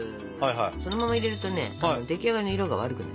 そのまま入れるとね出来上がりの色が悪くなります。